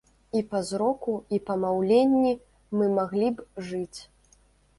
І па зроку, і па маўленні мы маглі б жыць.